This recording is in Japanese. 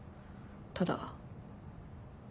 ただ。